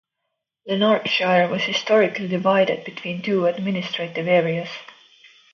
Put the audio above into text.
Lanarkshire was historically divided between two administrative areas.